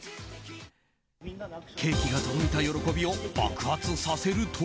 ケーキが届いた喜びを爆発させると。